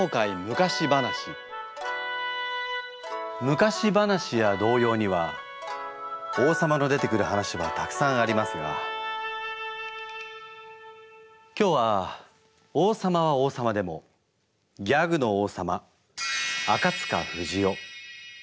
昔話や童謡には王さまの出てくる話はたくさんありますが今日は王さまは王さまでもギャグの王さまあかつかふじお。